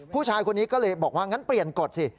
ผู้ชายคนนี้ก็เลยบอกว่างั้นเปลี่ยนกฎสิ